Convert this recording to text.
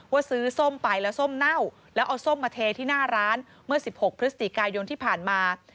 ซื้อส้มไปแล้วส้มเน่าแล้วเอาส้มมาเทที่หน้าร้านเมื่อ๑๖พฤศจิกายนที่ผ่านมา